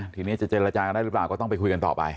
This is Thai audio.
ทีนี้จะเจรจากันได้หรือเปล่าก็ต้องไปคุยกันต่อไป